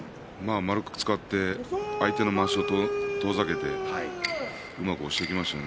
円く力を使って相手のまわしを遠ざけてうまく押していきましたね。